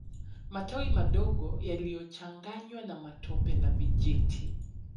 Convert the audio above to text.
Matawi madogo yaliyochanganywa na matope na vijiti